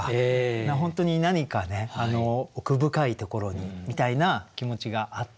本当に何かね奥深いところにみたいな気持ちがあって。